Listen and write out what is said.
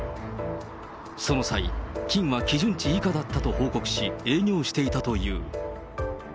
その際、菌は基準値以下だったと報告し、営業していたという。